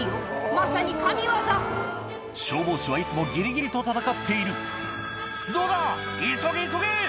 まさに神業消防士はいつもギリギリと闘っている「出動だ急げ急げ！」